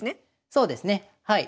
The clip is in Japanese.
そうですねはい。